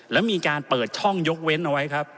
แล้วมีการเปิดช่องยกเว้นเอาไว้ครับ